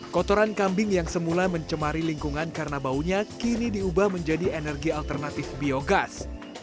kotoran kambing yang semula mencemari lingkungan karena baunya kini diubah menjadi energi alternatif biogas